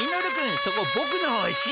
そこぼくのおしり。